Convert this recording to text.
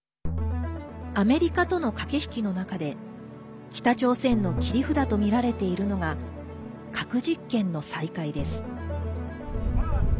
アメリカとの駆け引きの中で北朝鮮の切り札とみられているのが核実験の再開です。